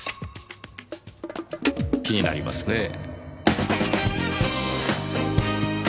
気になりますねぇ。